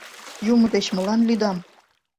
Юмо деч молан лӱдам?